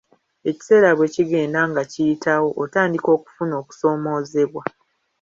Ekiseera bwe kigenda nga kiyitawo, otandika okufuna okusoomoozebwa.